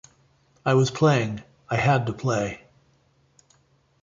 I was playing, I had to play.